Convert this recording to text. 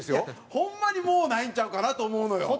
ホンマに、もうないんちゃうかなと思うのよ。